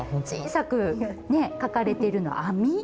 小さく描かれてるの網？